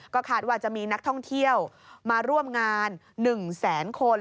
ก็คาดว่าจะมีนักท่องเที่ยวมาร่วมงาน๑แสนคน